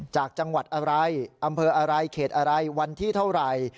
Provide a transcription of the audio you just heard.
จากจังหวัดอะไรอำเภออะไรเขตอะไรวันที่เท่าไหร่